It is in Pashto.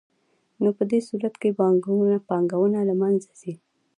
نو په دې صورت کې بانکونه له منځه ځي